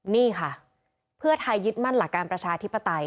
นี่ค่ะเพื่อไทยยึดมั่นหลักการประชาธิปไตย